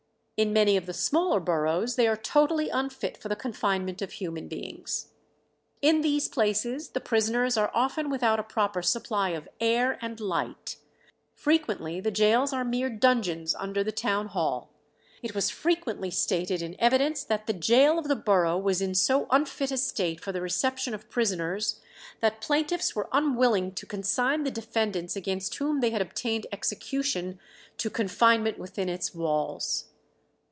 In many of the smaller boroughs they are totally unfit for the confinement of human beings. In these places the prisoners are often without a proper supply of air and light; frequently the gaols are mere dungeons under the town hall.... It was frequently stated in evidence that the gaol of the borough was in so unfit a state for the reception of prisoners, that plaintiffs were unwilling to consign the defendants against whom they had obtained execution to confinement within its walls."